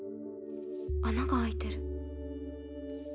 穴が開いてる。